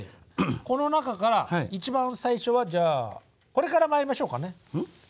この中から一番最初はじゃあこれからまいりましょうかね。